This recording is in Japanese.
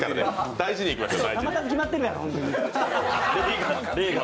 大事にいきましょう。